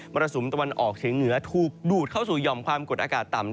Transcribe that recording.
รสุมตะวันออกเฉียงเหนือถูกดูดเข้าสู่หย่อมความกดอากาศต่ำ